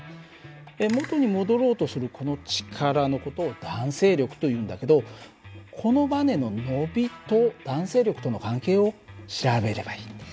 元に戻ろうとするこの力の事を弾性力というんだけどこのばねの伸びと弾性力との関係を調べればいい。